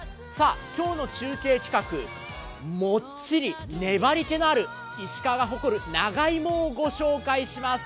今日の中継企画もっちり粘りけのある石川が誇る長芋をご紹介します。